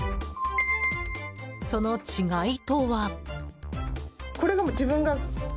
その違いとは。